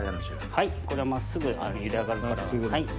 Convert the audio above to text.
はいこれは真っすぐ茹で上がりますから。